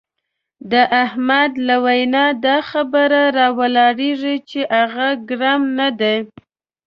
د احمد له وینا دا خبره را ولاړېږي چې هغه ګرم نه دی.